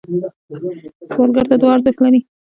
سوالګر ته دعا ارزښت لري